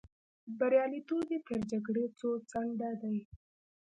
بریالیتوب یې تر جګړې څو چنده دی.